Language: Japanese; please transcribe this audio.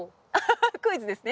クイズですね？